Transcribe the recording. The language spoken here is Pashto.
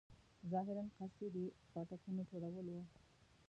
ظاهراً قصد یې د پاټکونو ټولول وو.